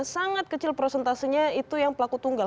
sangat kecil prosentasenya itu yang pelaku tunggal